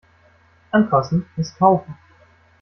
Anfassen heißt kaufen.